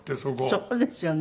そうですよね。